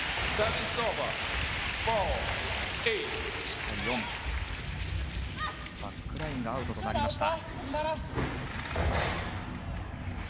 ここはバックラインのアウトとなりました。